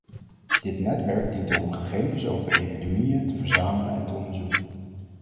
Dit netwerk dient om gegevens over epidemieën te verzamelen en te onderzoeken.